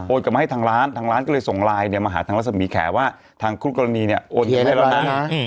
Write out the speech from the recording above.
กลับมาให้ทางร้านทางร้านก็เลยส่งไลน์เนี่ยมาหาทางรัศมีแขว่าทางคู่กรณีเนี่ยโอนเงินให้แล้วนะ